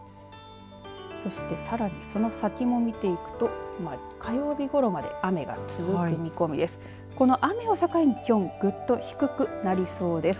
そしてさらにその先も見ていくと火曜日ごろまで雨が続く見込みです。